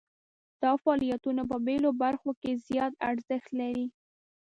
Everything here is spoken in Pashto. دا فعالیتونه په بیلو برخو کې زیات ارزښت لري.